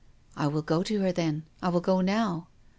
" I will go to her then. I will go now."